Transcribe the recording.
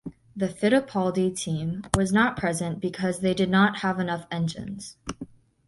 The Fittipaldi team was not present because they did not have enough engines.